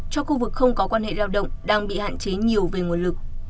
cho khu vực không có quan hệ lao động đang bị hạn chế nhiều về nguồn lực